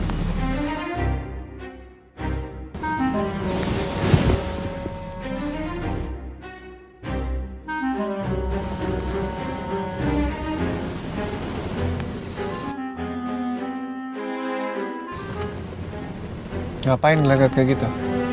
kenapa kamu bergerak begitu